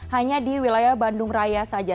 hanya di wilayah bandung raya saja